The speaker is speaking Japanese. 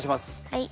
はい。